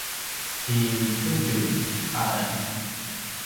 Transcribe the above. ti Cudjui a en